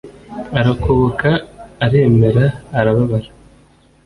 Arakoboka aremera arababara